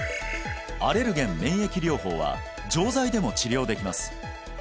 アレルゲン免疫療法は錠剤でも治療できます